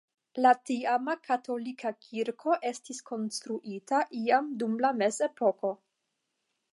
La tiama katolika kirko estis konstruita iam dum la mezepoko.